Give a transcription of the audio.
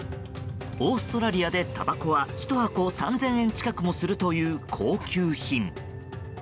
オーストラリアでたばこは１箱３０００円近くもするという高級品。